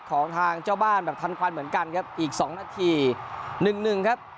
ของทางเจ้าบ้านแบบทันควันเหมือนกันครับอีกสองนาทีหนึ่งหนึ่งหนึ่งครับ